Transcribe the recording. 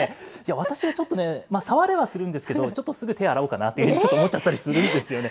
私はちょっと、さわれはするんですけど、ちょっとすぐ手を洗おうかなと、ちょっと思っちゃったりするんですよね。